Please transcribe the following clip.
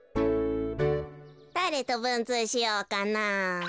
だれとぶんつうしようかなあ。